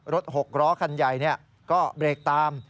หกล้อคันใหญ่ก็เบรกตาม